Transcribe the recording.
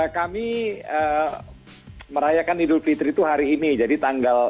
kami merayakan idul fitri itu hari ini jadi tanggal